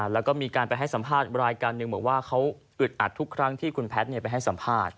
แล้วก็มีการไปให้สัมภาษณ์รายการหนึ่งบอกว่าเขาอึดอัดทุกครั้งที่คุณแพทย์ไปให้สัมภาษณ์